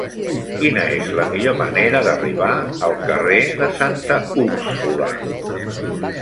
Quina és la millor manera d'arribar al carrer de Santa Úrsula?